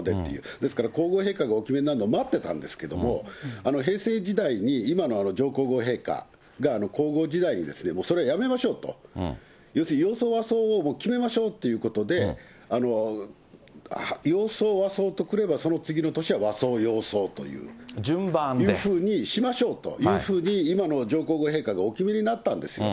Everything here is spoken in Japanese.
ですから、皇后陛下がお決めになるのを待ってたんですけれども、平成時代に、今の上皇后陛下が皇后時代に、もうそれはやめましょうと、要するに洋装、和装をもう決めましょうということで、洋装、和装と来れば、その次の年は和装、洋装と。というふうにしましょうというふうに、、今の上皇后陛下がお決めになったんですよ。